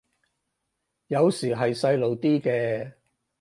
有時係細路啲嘅